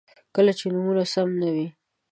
• کله چې نومونه سم نه وي، ژبه موضوع نهلري.